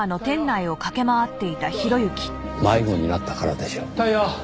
迷子になったからでしょう。